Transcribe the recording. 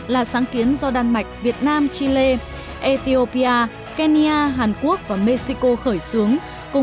là sáng kiến do đan mạch việt nam chile ethiopia kenya hàn quốc và mexico khởi xướng